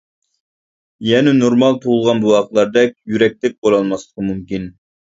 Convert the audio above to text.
يەنە، نورمال تۇغۇلغان بوۋاقلاردەك يۈرەكلىك بولالماسلىقى مۇمكىن.